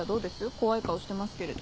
怖い顔してますけれど。